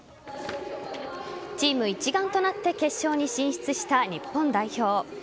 チーム一丸となって決勝に進出した日本代表。